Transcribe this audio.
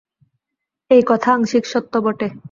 এই কথা আংশিক সত্য বটে।